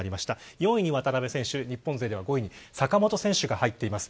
４位に渡辺選手、５位に坂本選手が入っています。